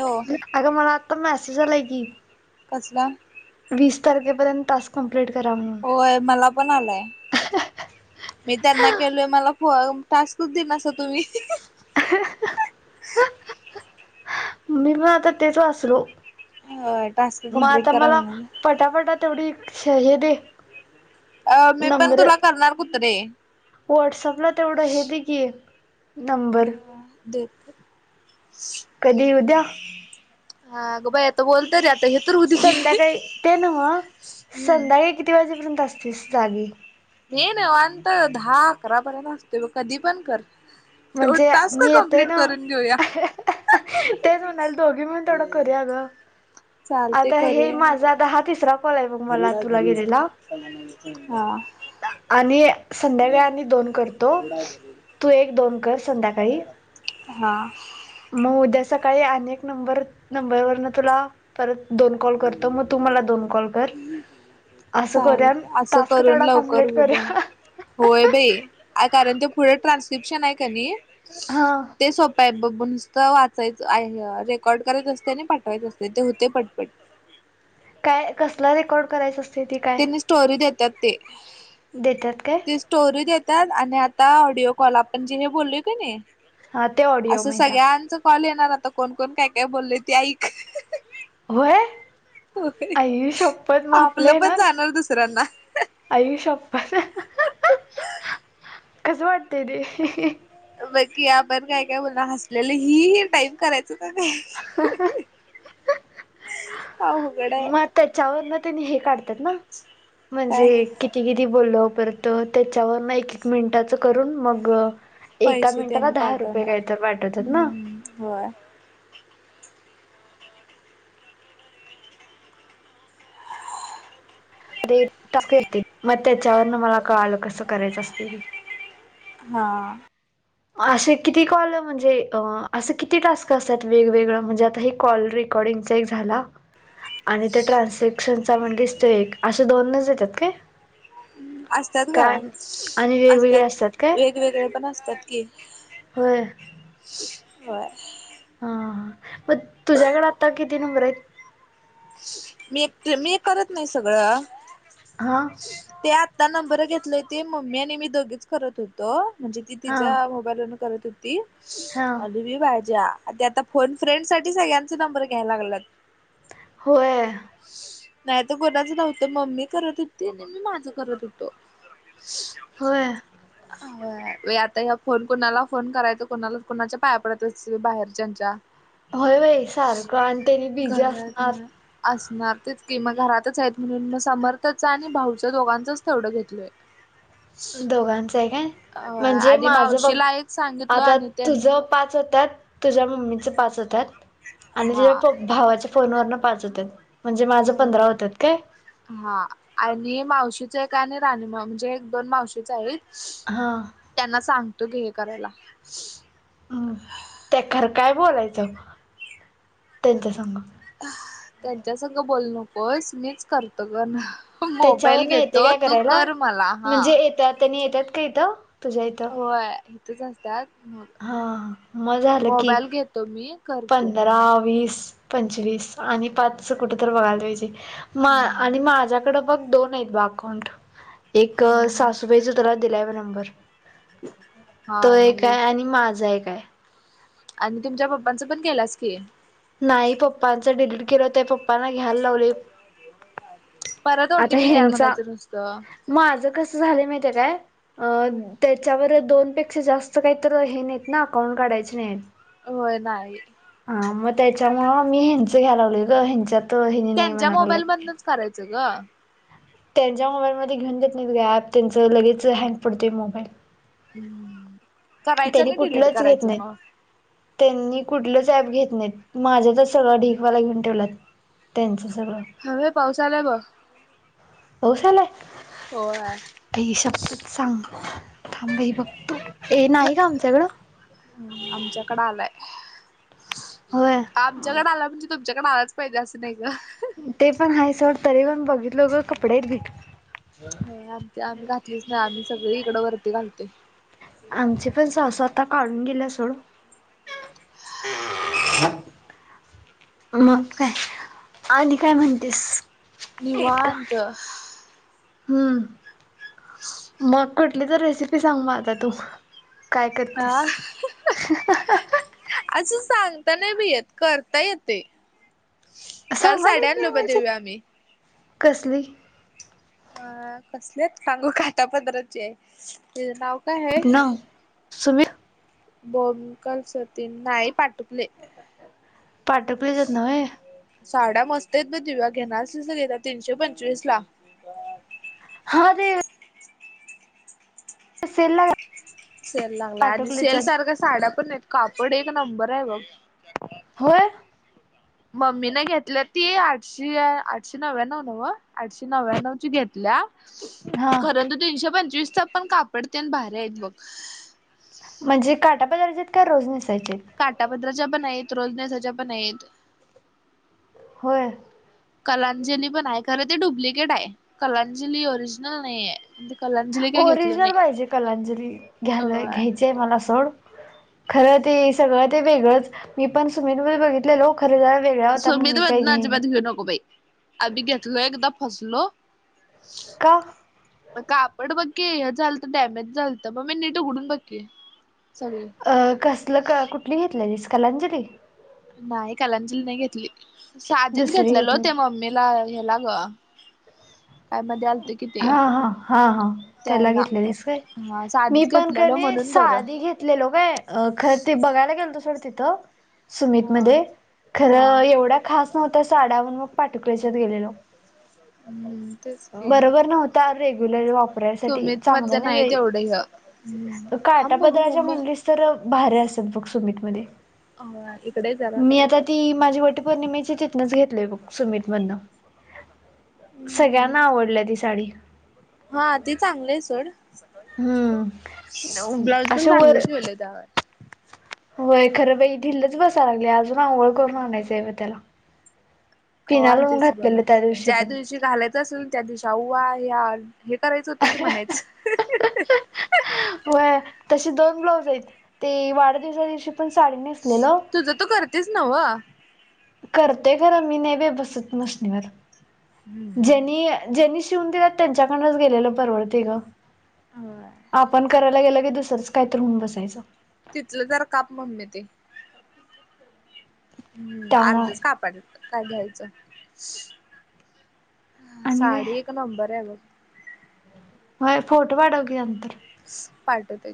हो अगं मला आता मेसेज आलाय की? कसला वीस तारखेपर्यंत टास्क कंप्लीट कराव म्हणून. होय मला पण आलाय. मी त्यांना केलोय मला फो अम टास्कच दिना सा तुम्ही. [unintelligible] मी पण आता तेच वाचलो होय टास्क म कंप्लीट आता करा मला म्हणाला पटापटा तेवढी एक हे दे मी पण नबरं तुला करणार कुत्रे व्हाट्सअपला तेवढं हे दे की नंबर देते कधी उद्या? हा गं बाई आता बोल तरी आता हे तर होऊदे की हम्म संध्याकाळी ते नव्हं संध्याकाळी किती वाजेपर्यंत असतेस जागी? हे निवांत दहा अकरा पर्यंत असतोय बघ कधी पण कर. ह म्हणजे तेवढं आ टास्क मी येते कंप्लीट ना करून घेऊया तेच म्हणाल दोघी मिळून तेवढं करू या गं. चालतंय आता हे माझा आता हा तिसरा कॉल आहे बघ मला गरुडा हाय तुला गुरुड गेलेला [unintelligible] हा. आणि संध्याकाळ आणि दोन करतो. तू एक दोन कर संध्याकाळी. हा म उद्या सकाळी आणि एक नंबर, नंबरवरनं तुला परत दोन कॉल करतो, म तू मला दोन कॉल कर. असं करूया चालतं असं टास्क करून तेवढा लवकर कम्प्लीट होऊ द्या करूया होय बाई. आय कारण ते पुढं ट्रान्स्क्रिप्शन आहे का नी हां. ते सोप्प्य बघ ब नुसतं वाचायचं आहे रेकॉर्ड करायचं असतंय आणि पाठवायचं असतंय ते होतंय पटपट. काय, कसलं रेकॉर्ड करायचं असतं ते काय? त्यांनी स्टोरी देत्यात ते. देत्यात काय? टोरी देतात आणि आता ऑडिओ कॉल आपण जे हे बोललोय की नाही हा ते ऑडिओ असं माहिता सगळ्यांचं कॉल येणार आता कोण-कोण, काय-काय बोललंय ऐईक होय होते आई शपथ मग आपलं पण येणार जाणार दुसऱ्यांना. आई शप्पथ, कसं वाटतेय रे? बघ की आपण काय-काय बोलून हसलेलं हि ही टाईप करायचं क नाही. अवघड आहे मग त्याच्यावरनं तेनी हे काढत्यात ना? म्हणजे काय. कि केलेली बोललो, परत त्याच्यावर ना एक एक मिनिटाचं करून मग एका पैसे मिनिटाला त्यांनी दहा रुपये काय पाठवणार तर वाटतत ना. हम्म होय. [unintelligible] टास्क येतेत म त्याच्यावरनं मला कळालं कसं करायचं असतेय ती. हां. अशे किती कॉलं म्हणजे असं किती टास्क असतात वेगवेगळं, म्हणजे आता हे कॉल रे कॉर्डिंगचा एक झाला आणि ते ट्रान्सेक्शनचा म्हणजेच ते एक असे दोनच येतात काय? असतात ग कान आणि वेगवेगळे असतात काय? वेगळे पण असतात की. होय. [unintelligible] हां. पण तुझ्याकडे आत्ता किती नंबर आहेत? मी ए मी हे करत नाही सगळं. हां? ते आत्ता नंबरं घेतळे होते. मम्मी आणि मी दोघीच करत होतो. म्हणजे ती हा तिच्या - वरून करत होती. हा आणि मी माज्या. ते आता - फोन फ्रेंड साठी सगळ्यांचं नंबर घ्यायला लागलात. होय. नाही तर कोणाचं नव्हतं. मम्मी करत होती नि मी माझं करत होतो. होय. आता या फोन, कोणाला फोन करायचा? कोणाला कोणाच्या पाया पडायच्या असं बाहेरच्यांच्या. होय बाई. सारखं आणि ते बी बिझी घरात असणार. हा असणार तेच. की मग घरातच आहेत. म्हणून म समर्थचं आणि भाऊचं दोघांचंच तेवढं घेतलंय. दोघांचय काय? अ म्हणजे आणि माझं बघ. मावशीला एक सांगितलो आता आणि त्यां तुझं पाच होत्यात- तुझ्या मम्मीचं पाच होत्यात हा आणि भावाच्या फोनवरनं पाच होत्यात. म्हणजे माझं अ पंधरा होतात काय? हा आणि मावशीचं एक आणि राणीमॉमचं एक एक दोन मावशीचं एक. हां. त्यांना सांगतो की हे करायला. हम्म. त्यात खरं काय बोलायचं त्यांच्या संग? त्यांच्या संग बोलू नकोस. मीच करतो गण- त्याच्यावरन येते काय करायला? मला हा म्हणजे येत्यात त्यांनी येत्यात का इथं तुझ्या इथं? व्हय इथंच असत्यात. हा मग झालं की मोबाईल घेतो मी कर- तू पंधरा, हा वीस, पंचवीस आणि पाचंच कुठं तरी बघायला पाहिजे. म आणि माझ्याकडं बघ दोन आहेत अकाऊंट. एक सासूबाईचा तुला दिलाय ब नंबर. तो एक हे आणि माझा एक हे. आणि तुमच्या पप्पांचा पण केलास की. नाही पप्पांचं डिलीट केलं ते. पप्पांना घ्यायला लावले. परत ओ आता टी पी द्या ह्यांचा म्हणायचं नुसतं. माझं कसं झालं माहितीय काय? अ त्याच्यावर दोन पेक्षा जास्त काहीतर हे नाहीत ना? अकाउंट काढायचे नाही. होय नाही. हा मग त्याच्यामुळं मी ह्यांच घ्यायला लावल ग ह्यांच्यात. हेनी नाही त्यांच्या म्हणायला मोबाईल लागलेत मधनंच करायचं ग. त्यांच्या मोबाईलमध्ये घेऊन देत नाहीत ग ऍप. त्यांचं लगेच हँग पडतय मोबाईल. हं. करायचं त्यांनी नी डिलीट कुठलंच घेत करायचं नाहीत. म. त्यांनी कुठलंच ऍप घेत नाहीत. माझं तर सगळं ढीगवाला घेऊन ठेवल्यात. त्यांचं सगळं. हवे पाऊस आलाय बघ. पाऊस यायलाय? होय आई शबत सांग थांब बाई बघतो, ए नाही गं आमच्याकडं आमच्याकडे आलाय, होय. आमच्याकडे आलाय म्हणजी तुमच्याकडं आलाच पाहिजे असं नाही ना. ते पण हायस तरी पण बघितलं ग कपडे भि नाही आम आम्ही घातलीच नाही आम्ही सगळी इकडं वरती घालते. आमचे पण सासू आता काढून गेली सोडू अ ह, काय आणि काय म्हणतीस? निवांत हम्म, मग कुठली तरी रेसिपी सांग मग आता तू? काय करतेस? हा हा हा हा.... असं सांगता नाही बाई येत, करता येतंय. काल सांगायला येत साड्या नाही आणल्या बघ म्हणजे दिव्या आम्ही. कसली? अअअं, कसल्यात सांगू काय काठा पदराच्या, त्याच नाव काय हाय? ना सुमित बोमकल [unintelligible] सतीं नाही पाठुकले पाठव [unintelligible] प्लिज येत ना व्हय साड्या मस्त हेत ग दिव्या घेणार असशील तर घेजा, तीनशे पंचवीस ला. हा ते सेल ला सेल लागला आणि सेल पाटकलेच्यात सारख्या साड्या पण आहेत, कापड एक नंबर आहे बघ. होय, मम्मीनं घेतल्या ती आठशे, आठशे नव्याण्व नवं आठशे नव्या्णवची घेतल्या. हा खरं तर तीनशे पंचवीसच पण कापडनं ते भारी आहेत बघ. म्हणजे काटा पदराच्या आहेत का रोज नेसायचे? काठापदराच्या पण आहेत, रोजनेसाच्या पण आहेत. होय. कलांजली पण आहे, खरं ते डुप्लिकेट आहे, कलांजली ओरिजिनल नाही आहे. म्हणजे कलांजली काय घेतलं नाही ओरिजनल पाहिजे कलांजली, घ्याला अ -घ्याय ते मला सोड, खर ते सगळं ते वेगळंच मी पण सुमित बरोबर बघितलेलो खर जरा वेगळा होता मग मी काही घेईना नको बाई. आदी घेतलो एकदा फसलो. का कापड बघकी, हे झालत डॅमेज झालत, ब मी नीट उघडून बघ की सगळी. अ कसलं क कुठली घेतलेलीस कलांजली? नाही कालांजली नाही घेतली, साधीच दुसरी घेतलेलो घेतली ते मम्मीला ह्याला ग काय मध्ये आलत कि ते हा हा हा हा, त्याला घेतलेलीस काय. हा मी साधीच पण क घेतलेलो नाय म्हणून बरं साधी घेत लेलो काय, खरं ते बघायला गेलतो सोडं तिथं. सुमित हा मध्ये, हा खरं एवढ्या खास नव्हत्या साड्या, मग पाटुकल्याच्यात गेलेलो. हम्म तेच की, बरोबर नव्हत्या रेग्युलर वापरायसाठी सुमित चांगल्या मधलं नाही बाई एवढं ह हम्म, थांब बघु म म्हनलीस तर, भारी असतात बघ सुमित मध्ये. ह इकडे जरा मी आता ती माझी वटपौर्णिमेची तिथनच घेतलीय बाग सुमित मधन हम्म सगळ्यां आवडली ती साडी. हा ती चांगले आहे सोड हम्म ब्लाऊज पण अशे चांगलं वर शिवले त्यावर. होय खरं बाई ढिलाच बसाय लागलय अजून आवळ करुण आणायचं आहे होय त्याला. कवा पिना लाऊन आणतेस बघ घातलेलं त्या आता दिवशी ज्या पण. घालायचं असेल त्या दिशा अवा या हे करायचं होतं की म्हणायचं. व्होय तशी दोन ब्लाउज आहेत ते वाढदिवसा दिवशी पण साडी नेस तुझं तु करतीच नव्ह? करतेय खर मी नेवे बसत मशनीवर. हम्म. [inaudible] ज्यांनी, ज्यांनी शिवून दिलात त्यांच्याकडनच गेलेलं परवडते ग. होय आपण करायला गेलं की दुसरच काय तर हून बसायचं. तिथलं जरा काप मम्मी ते. त्यामुळं अर्धीच कापायच, काय घ्यायच? आणि काय साडी एक नंबर आहे बघ. होय, फोटो पाठव की नंतर. पाठवते.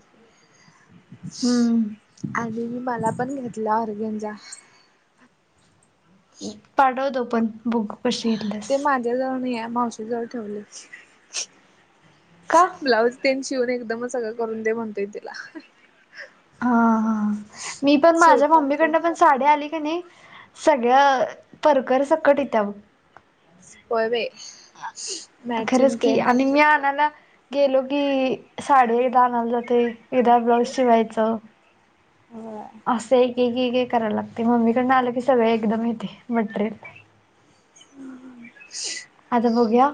हम्म आणि मी मला पण घेतला ऑरगेनजा. पाठवतो पण बुक कशी घेतलीस? ते माझ्या जवळ नाहीये माऊशी जावळ ठेवले [inaudible] का? ब्लाऊज ते शिवन एकदमच सगळं करून दे म्हणतोय तिला. हा हा मी पण माझ्या शिवत्या की मम्मीकडन पण साड्या आली की नाही सगळं परकर सकट येत्या बघ. होय बाये. खरंच की आणि म्या आणायला गेलो की साडी एकदा आणायला जाते, एकदा ब्लाऊज शिवायचं. होय. असं एक, एक करायला लागते मम्मी कडनं आलं की सगळे एकदम येते मटेरियल. आता बगुया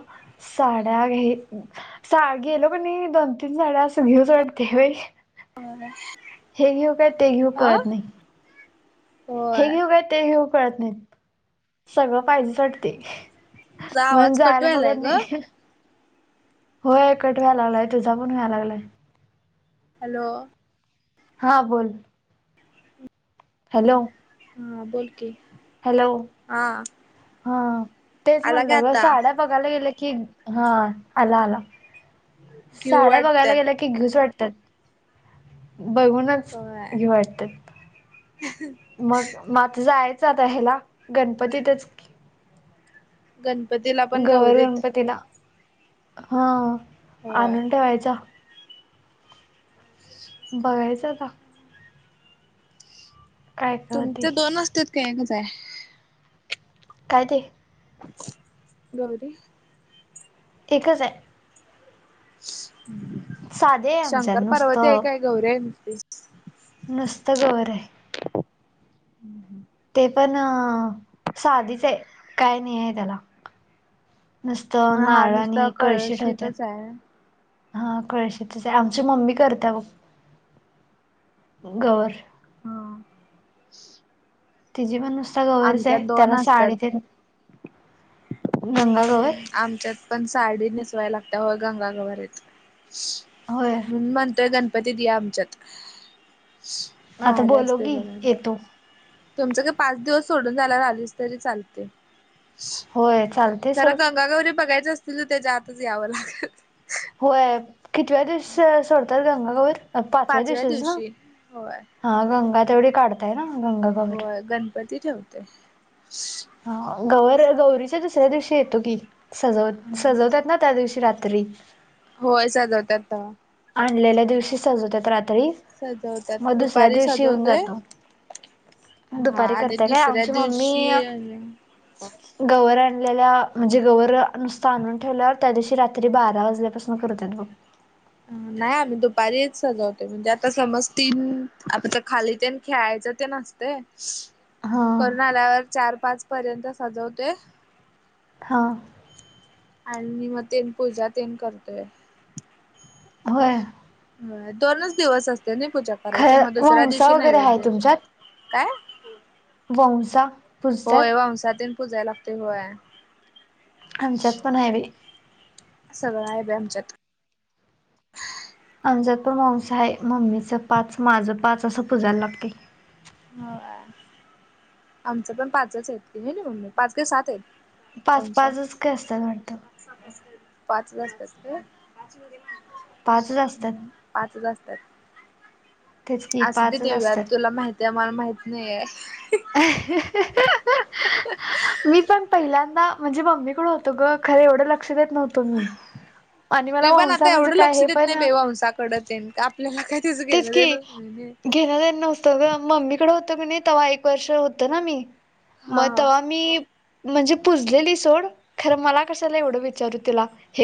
साड्या घे हे साग गेलो की नाही दोन, तीन साड्या असं घेऊ वाडते बाई. हे घेऊ काय ते घेऊ अ कळत नाही. हे होय घेऊ काय ते घेऊ कळत नाहीत सगळं पाहिजेच वाटते. तुझा म्हणून आवाज कट जायला व्हायलाय बघत ग नाही. होय कट व्हाय लागलाय तुझा पण व्हायला लागलाय. हॅलो. हा बोल. हॅलो. हा बोल की. हॅलो हा हा तेच आला काय म्हणलं ग आता साड्या हा बघातला गेल की हा आला, आला घेऊ साड्या बघायला वाटत्यात गेल घेऊच वाटतात बघुन होय. मग म आता जायचं आता ह्याला गणपतीतच गणपतीला. पण गौर, गौरीत गणपतीला हा होय आणून ठेवायचा. बघायचं आता. काय काय होतंय. तुमचं दोन असतेत काय एकच आहे. काय ते? गौरी एकच आहे. साधे आहे आमच्यात शंकर पार्वती आहे नुसतं काय गौरी आहे नुसती. नुसतं गौर आहे. ते पण अ, साधीच आहे काय नाही आहे त्याला. नुसतं मग हा नारळ नुसता आणि कळशी ठेवतात. कळशीतच आहे हा कळशीतच हाय आमची मम्मी करत्या बघं, गवर. हा. तिजी पण नुसता गवरच आमच्यात हाय, दोन त्याला असतात. साडी तेन गंगा गवर. आमच्यात पण साडी नेसवायला लागत्या हो, गंगागवर‌ आहेत. होय. मी म्हणतोय गणपतीत य आमच्यात आता भारी बोलव असतेय की बघायला. येतो तुमचं काय पाच दिवस सोडून झाल्यावर आलीस तरी चालते. होय चालतय तर सोड गंगागौरी बघायच असतील त्याच्या आतच यावं लागल. होय कितव्या दिवस, सोडतात गंगागवर, पाचव्या दिवशीच ना. दिवशी होय. हा गंगा तेवढी काढताय ना गंगा गवर होय गणपती ठेवते. हा गवर गौरीच्या दुसऱ्या दिवशी येतो की. सजवत-सजवतात ना त्या दिवशी रात्री. होय साजवतात ना. आणलेल्या दिवशी सजवतात रात्री, सजवतात मग दुसऱ्या दुपारी दिवशी येऊन सजवतोय. जातो. हा दुपारी आणि करत्या काय दुसऱ्या आमची मम्मी दिवशी गवर आणलेल्या म्हणजे गवर नुसता आणून ठेवल्यावर त्या दिवशी रात्री बारा वाजल्यापासून करतात. नाही आम्ही दुपारीच सजवते म्हणजे आता समज तीन आता ते खाली तेन खेळायचं तेन असते, हा करून आल्यावर चार पाच पर्यंत सजवतोय. हां. आणि मग तेन पूजा तेन करतोय. होय. दोनच दिवस असते नई पूजा करायचं खर मग दुसऱ्या वंसा दिवशी वगैरे आहे नैवेद्य. तुमच्यात काय? वंसा. पूजतात होय वंसा तीन पूजायला लागतंय होय. आमच्यात पण हाय बाई. सगळं आहे बाई आमच्यात. आमच्यात पण वंसा आहे मम्मीचं पाच, माझं पाच असं पूजायला लागतंय. होय आमच पण पाचच आहेत होय कनी मम्मी पाच काय सात आहेत. पाच वंसा पाचच काय असतात वाटतं. पाचच असत्यात काय. पाचच असत्यात. पाचच असत्यात. तेच असूदे की पाचच दिव्या असतात तुला माहित आहे आम्हाला माहित नाहीये. मी पण पण पहिल्यांदा म्हणजे मम्मीकडं होतो गं, खरं एवढं लक्ष देत नव्हतो मी आणि मला मी पण वंसा आता म्हणजे एवढं काय लक्ष हे देत पण नाही बे वंसाकडतन का आपल्याला काही तेच घेण देनच नाही नि घेणारच नव्हतो गं, मम्मीकडे होतं कणी तवा एक वर्ष होतं ना मी हा. म हा. तवा मी म्हणजे पुजलेली सोड, खरं मला कशाला एवढं विचारू तिला हे